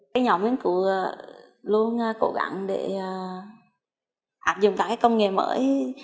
cái nhóm nghiên cứu luôn cố gắng để hạp dụng các cái công nghệ mới